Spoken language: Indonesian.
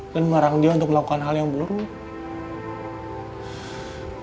dan mengarang dia untuk melakukan hal yang buruk